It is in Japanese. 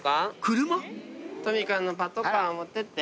トミカのパトカー持ってって。